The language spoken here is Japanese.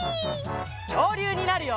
きょうりゅうになるよ！